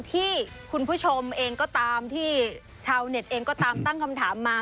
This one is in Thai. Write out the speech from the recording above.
ที่คุณผู้ชมเองก็ตามที่ชาวเน็ตเองก็ตามตั้งคำถามมา